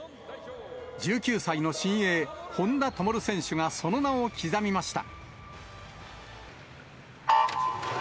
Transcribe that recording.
１９歳の新鋭、本多灯選手がその名を刻みました。